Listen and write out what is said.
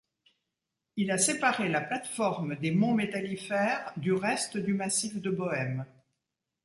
Il a séparé la plate-forme des monts Métallifères du reste du Massif de Bohême.